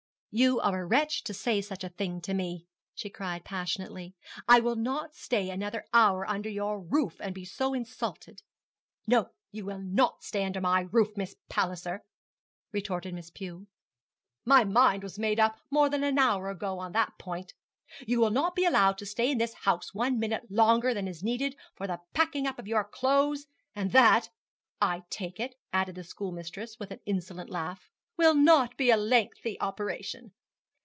'You are a wretch to say such a thing to me,' she cried passionately; 'I will not stay another hour under your roof to be so insulted.' 'No, you will not stay under my roof, Miss Palliser,' retorted Miss Pew. 'My mind was made up more than an hour ago on that point. You will not be allowed to stay in this house one minute longer than is needed for the packing up of your clothes, and that, I take it,' added the schoolmistress, with an insolent laugh, 'will not be a lengthy operation.